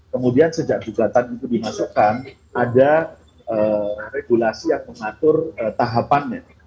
kemudian sejak gugatan itu dimasukkan ada regulasi yang mengatur tahapannya